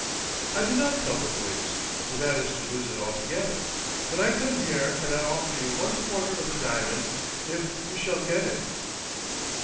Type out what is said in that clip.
I do not tell the police, for that is to lose it altogether. But I come here and I offer you one quarter of the diamond if you shall get it."